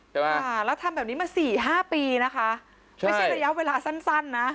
แล้วทำแบบนี้มา๔๕ปีนะคะไม่ใช่ระยะเวลาสั้นนะ